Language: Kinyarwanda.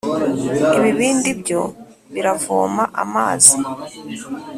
ibibindi byo biravoma amazi